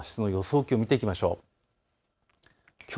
気温を見ていきましょう。